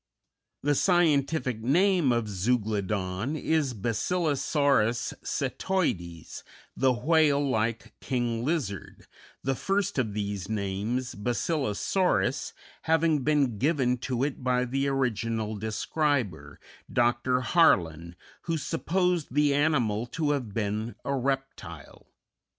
The scientific name of Zeuglodon is Basilosaurus cetoides, the whale like king lizard the first of these names, Basilosaurus, having been given to it by the original describer, Dr. Harlan, who supposed the animal to have been a reptile.